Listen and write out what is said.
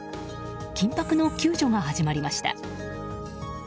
緊迫の救助が始まりました。